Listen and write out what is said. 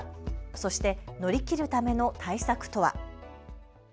そして乗り切るための対策とは。